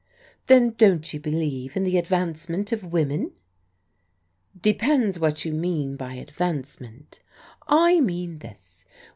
"Then you don't believe in the advancement of women ?"" Depends what you mean by advancement." " I mean this.